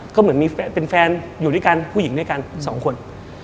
ก็เหมือนมีแฟนอยู่ด้วยกันผู้หญิงด้วยกันสองคน